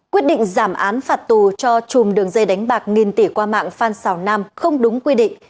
quyết định giảm án phạt tù cho chùm đường dây đánh bạc nghìn tỷ qua mạng phan xào nam không đúng quy định